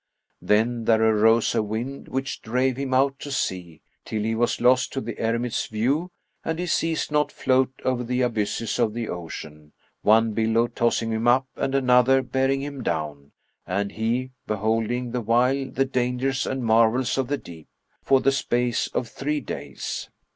Then there arose a wind, which drave him out to sea, till he was lost to the eremite's view; and he ceased not to float over the abysses of the ocean, one billow tossing him up and another bearing him down (and he beholding the while the dangers and marvels of the deep), for the space of three days.